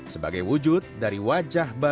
sebagai wujud dari wajah baru